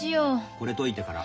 これ解いてから。